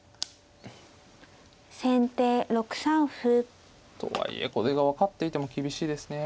先手６三歩。とはいえこれが分かっていても厳しいですね。